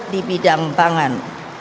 di bidang pangan